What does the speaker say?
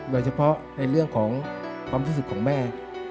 โดยเฉพาะในเรื่องของความรู้สึกของแม่